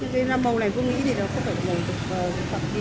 nhưng màu này cô nghĩ thì nó không phải là mẫu thực phẩm kia